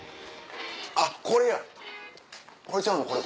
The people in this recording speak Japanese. あっこれやこれちゃうの？